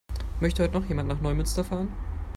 Möchte heute noch jemand nach Neumünster fahren?